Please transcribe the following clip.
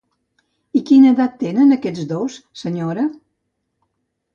I quina edat tenen aquests dos, senyora?